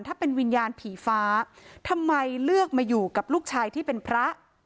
ถ้าเป็นวิญญาณผีฟ้าทำไมเลือกมาอยู่กับลูกชายที่เป็นพระ